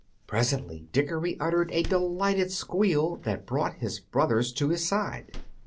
Presently Dickory uttered a delighted squeal that brought his brothers to his side.